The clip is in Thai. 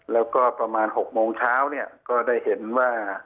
แล้วก็ประมาณ๖โมงเช้าเนี่ยก็ได้เห็นว่า